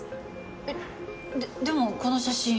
えっでもこの写真。